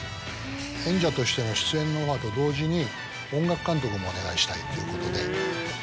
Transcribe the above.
演者としての出演のオファーと同時に音楽監督もお願いしたいということで。